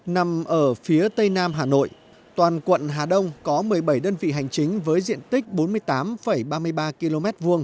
nằm ở phía tây nam hà nội toàn quận hà đông có một mươi bảy đơn vị hành chính với diện tích bốn mươi tám ba mươi ba km hai